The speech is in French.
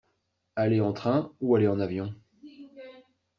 Aller en train ou aller en avion.